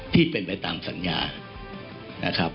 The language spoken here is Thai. ที่เป็นไปตามสัญญานะครับ